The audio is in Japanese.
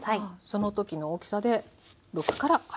その時の大きさで６から８。